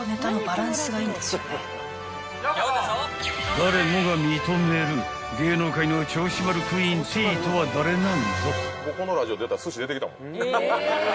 ［誰もが認める芸能界の銚子丸クイーンＴとは誰なんぞ？］